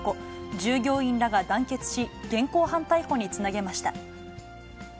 従業員らが団結し、現行犯逮捕につなげました。